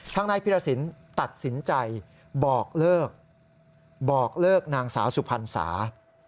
ทางนายพิรสินตัดสินใจบอกเลิกบอกเลิกนางสาวสุพรรณสา